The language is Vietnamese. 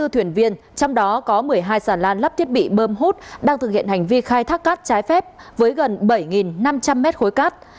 sáu mươi bốn thuyền viên trong đó có một mươi hai xà lan lắp thiết bị bơm hút đang thực hiện hành vi khai thác cát trái phép với gần bảy năm trăm linh m khối cát